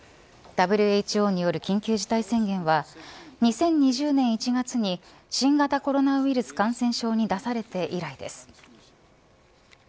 ＷＨＯによる緊急事態宣言は２０２０年１月に新型コロナウイルス感染症に出されて以来です。